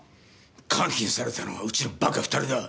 監禁されたのはうちの馬鹿２人だ。